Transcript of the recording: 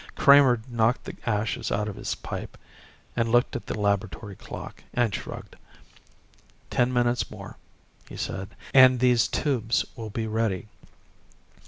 Kramer knocked the ashes out of his pipe, looked at the laboratory clock and shrugged. "Ten minutes more," he said, "and these tubes will be ready.